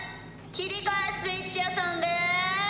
きりかえスイッチやさんです。